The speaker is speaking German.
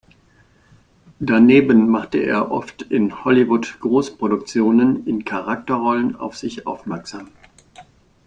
Daneben machte er oft in Hollywood-Großproduktionen in Charakterrollen auf sich aufmerksam.